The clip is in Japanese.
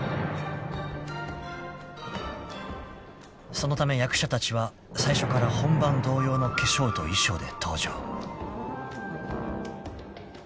［そのため役者たちは最初から本番同様の化粧と衣装で登場］